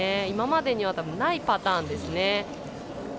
今までにはないパターンですね。